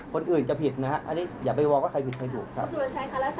ก่อนทำก็ปกติมันเป็นหลักการของทางการแพทย์อยู่แล้วว่าจะทำอะไรต้องแจ้งคนไข้ก่อน